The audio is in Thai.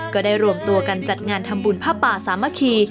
ก็ได้รวมตัวกันจัดงานทำบุญผ้าป่าสามัคคี